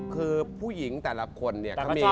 คือผู้หญิงแต่ละคนเนี่ย